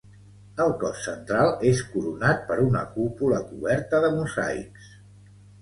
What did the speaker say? El cos central és coronat per una cúpula coberta de mosaics.